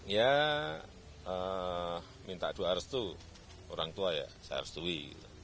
ya minta dua harus tuh orang tua ya saya harus tui